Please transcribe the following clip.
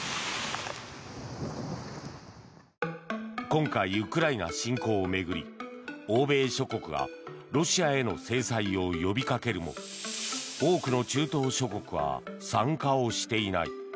今回、ウクライナ侵攻を巡り欧米諸国がロシアへの制裁を呼びかけるも多くの中東諸国は参加をしていない。